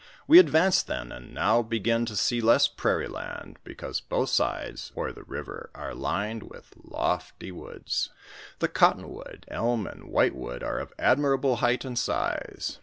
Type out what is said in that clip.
We advance then, and now begin to see less prairie land, because both sides or the river are lined with lofty woods. The cotton wood, elm and white wood, are of admirable height and size.